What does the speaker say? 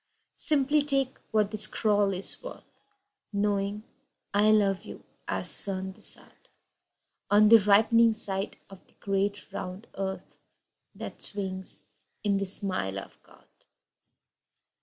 Simply take what the scrawl is worth Knowing I love you as sun the sod On the ripening side of the great round earth That swings in the smile of God.